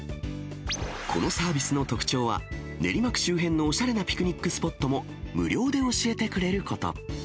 このサービスの特徴は、練馬区周辺のおしゃれなピクニックスポットも無料で教えてくれること。